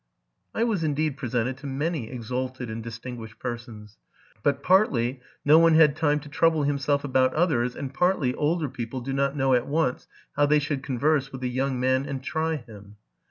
I was indeed presented to many exalted and distinguished persons ; but partly, no one had time to trouble himself abont others, and partly, older people do not know at once how they should converse with a young man and try him.